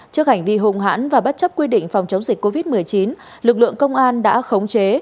trước hành vi hùng hãn và bất chấp quy định phòng chống dịch covid một mươi chín lực lượng công an đã khống chế